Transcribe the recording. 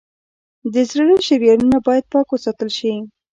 د زړه شریانونه باید پاک وساتل شي.